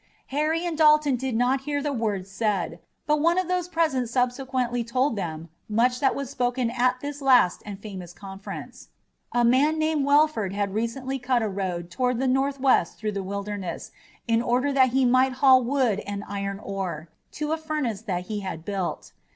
Harry and Dalton did not hear the words said, but one of those present subsequently told them much that was spoken at this last and famous conference. A man named Welford had recently cut a road toward the northwest through the Wilderness in order that he might haul wood and iron ore to a furnace that he had built.